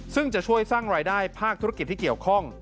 ซึ่งจะช่วยสร้างรายได้ภาคธุรกิจที่เกี่ยวข้อง